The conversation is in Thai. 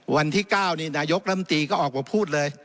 วันที่๙นี่นายกรรมตรีก็ออกมาพูดเลย